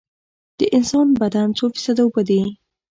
د انسان بدن څو فیصده اوبه دي؟